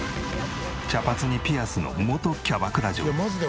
茶髪にピアスの元キャバクラ嬢。